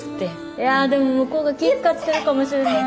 いやでも向こうが気遣ってるかもしれないもん。